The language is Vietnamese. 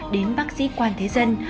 đến bác sĩ quang thế dân